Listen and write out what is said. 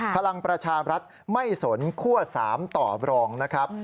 พลังประชาบรัฐไม่สนคั่ว๓ต่อรองนะครับ